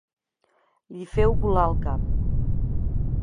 Li feu volar el cap.